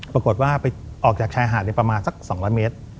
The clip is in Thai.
ปรากฏว่าไปออกจากชายหาดประมาณสัก๒๐๐เมตร